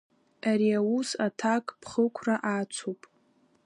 Ари аус аҭакԥхықәра ацуп.